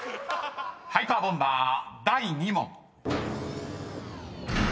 ［ハイパーボンバー第２問］